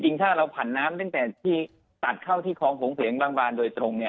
จริงถ้าเราผ่านน้ำตั้งแต่ที่ตัดเข้าที่คล้องโขงเขลียงบางโดยตรง